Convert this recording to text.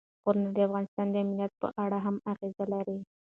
غرونه د افغانستان د امنیت په اړه هم اغېز لري.